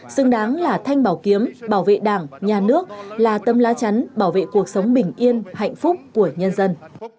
xứng đáng là thanh bảo kiếm bảo vệ đảng nhà nước là tâm lá chắn bảo vệ cuộc sống bình yên hạnh phúc của nhân dân